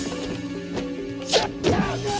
j learning yeah